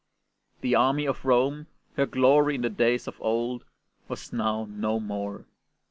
The army of Rome, her glory in the days of old, was now no more.